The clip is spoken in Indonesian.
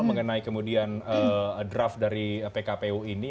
mengenai kemudian draft dari pkpu ini